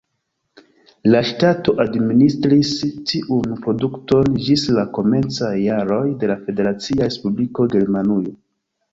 La ŝtato administris tiun produkton ĝis la komencaj jaroj de la Federacia Respubliko Germanujo.